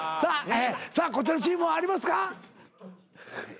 さあこちらのチームはありますか？